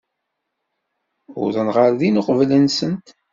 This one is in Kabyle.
Uwḍen ɣer din uqbel-nsent.